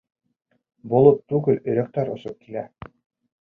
— Болот түгел, өйрәктәр осоп килә.